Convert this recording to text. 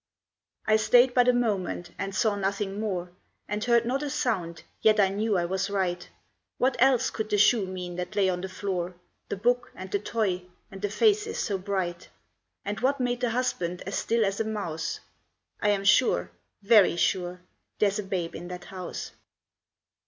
I stayed but a moment, and saw nothing more, And heard not a sound, yet I knew I was right; What else could the shoe mean that lay on the floor, The book and the toy, and the faces so bright? And what made the husband as still as a mouse? I am sure, very sure, there's a babe in that house.